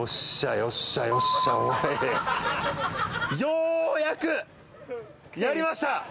ようやくやりました。